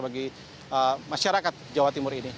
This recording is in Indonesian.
bagi masyarakat jawa timur ini